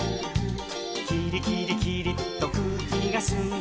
「キリキリキリッとくうきがすんで」